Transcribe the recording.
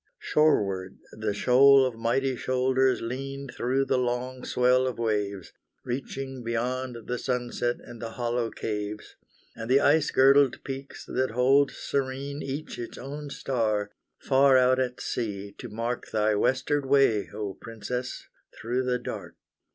Shoreward the shoal of mighty shoulders lean Through the long swell of waves, Reaching beyond the sunset and the hollow caves, And the ice girdled peaks that hold serene Each its own star, far out at sea to mark Thy westward way, O Princess, through the dark.